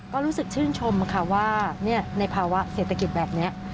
ก็รู้สึกชื่นชมค่ะว่าในภาวะเศรษฐกิจแบบนี้